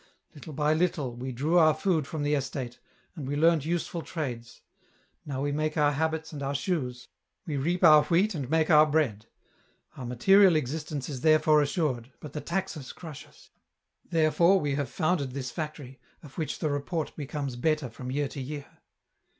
Little by little we drew our food from the estate, and we learnt useful trades ; now we make our habits and our shoes ; we reap our wheat and make our bread ; our material existence is there fore assured, but the taxes crush us ; therefore we have founded this factory, of which the report becomes better from year to year.